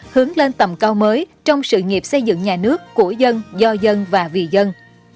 hướng lên tầm cao mới trong sự nghiệp xây dựng nhà nước của dân do dân và vì dân